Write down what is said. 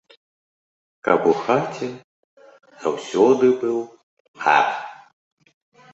Каб у хаце заўсёды быў лад!